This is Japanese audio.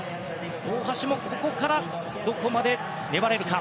大橋もここからどこまで粘れるか。